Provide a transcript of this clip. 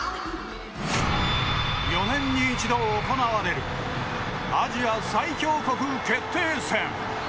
４年に一度行われるアジア最強国決定戦。